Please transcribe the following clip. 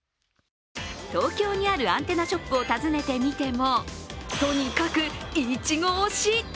東京にあるアンテナショップを訪ねてみても、とにかくいちご推し。